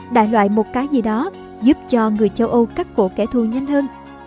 đại loại một cái gì đó giúp cho người châu âu cắt cổ kẻ thù nhanh hơn